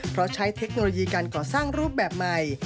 เพราะใช้เทคโนโลยีการก่อสร้างรูปแบบใหม่